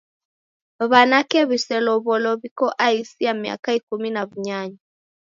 W'anake w'iselow'olo w'iko aisi ya miaka ikumi na w'unyanya.